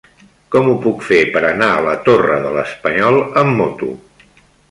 Com ho puc fer per anar a la Torre de l'Espanyol amb moto?